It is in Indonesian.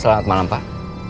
selamat malam pak